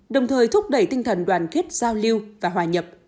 đồng thời thúc đẩy tinh thần đoàn kết giao lưu và hòa nhập